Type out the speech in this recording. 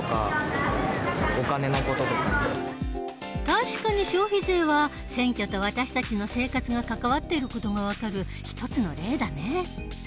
確かに消費税は選挙と私たちの生活が関わっている事が分かる一つの例だね。